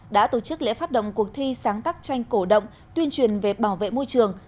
đã tổ chức lễ phát động cuộc thi sáng tác tranh cổ động tuyên truyền về bảo vệ môi trường